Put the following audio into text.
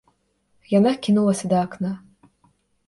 Яна кінулася да акна.